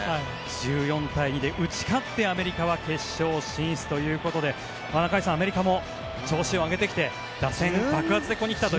１４対２で打ち勝ってアメリカは決勝進出ということで中居さんアメリカも調子を上げてきて打線爆発でここに来たと。